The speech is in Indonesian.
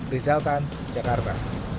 rizal khan jakarta